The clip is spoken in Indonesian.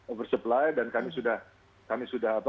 oversupply dan kami sudah